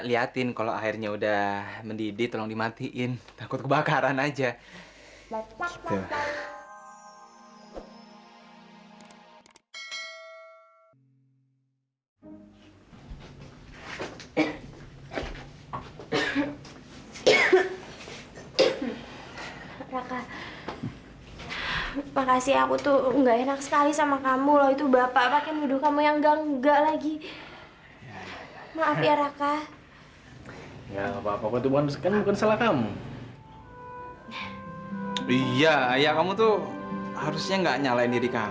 iya iya kamu tuh harusnya gak nyalain diri kamu lah